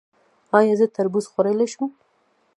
ایا زه تربوز خوړلی شم؟